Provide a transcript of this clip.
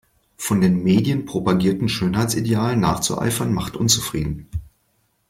Von den Medien propagierten Schönheitsidealen nachzueifern macht unzufrieden.